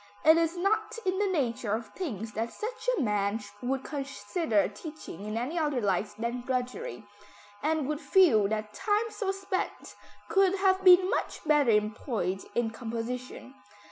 It is not in the nature of things that such a man would consider teaching in any other light than drudgery, and would feel that time so spent could have been much better employed in composition.